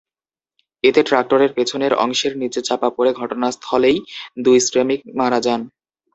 এতে ট্রাক্টরের পেছনের অংশের নিচে চাপা পড়ে ঘটনাস্থলেই দুই শ্রমিক মারা যান।